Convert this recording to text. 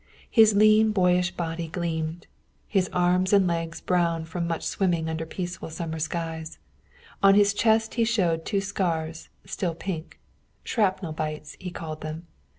His lean boyish body gleamed, arms and legs brown from much swimming under peaceful summer suns. On his chest he showed two scars, still pink. Shrapnel bites, he called them.